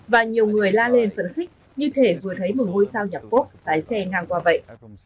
và nhiều người la lên phấn khích như thể vừa thấy một ngôi sao nhạc phốp tái xe ngang qua vậy